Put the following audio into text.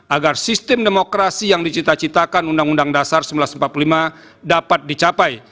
agar sistem demokrasi yang dicita citakan undang undang dasar seribu sembilan ratus empat puluh lima dapat dicapai